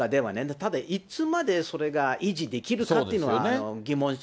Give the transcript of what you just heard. ただいつまでそれが維持できるかっていうのは疑問視。